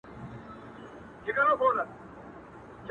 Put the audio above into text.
هوا نن سړه ده.